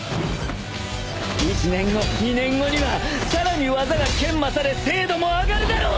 １年後２年後にはさらに技が研磨され精度も上がるだろう！